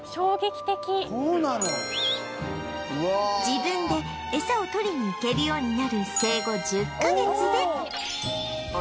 自分でエサをとりにいけるようになる生後１０カ月で大人の姿に